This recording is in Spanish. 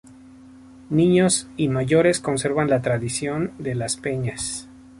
Niños y mayores conservan las tradición de las 'peñas'.